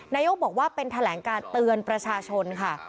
นายกบอกว่าเป็นแถลงการเตือนประชาชนค่ะ